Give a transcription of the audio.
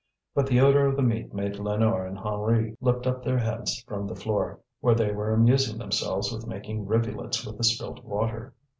But the odour of the meat made Lénore and Henri lift up their heads from the floor, where they were amusing themselves with making rivulets with the spilt water.